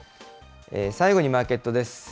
最後にマーケットです。